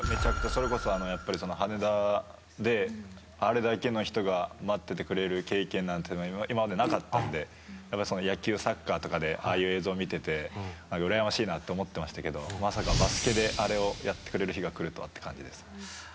それこそ、羽田であれだけの人が待っててくれる経験なんて今までなかったので野球、サッカーとかでああいう映像見ていてうらやましいなと思ってましたけどバスケであれをやってくれる日が来るとはって感じですね。